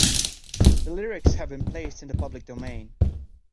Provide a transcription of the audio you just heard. The lyrics have been placed in the public domain.